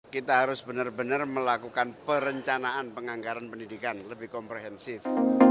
kita harus benar benar melakukan perencanaan penganggaran pendidikan lebih komprehensif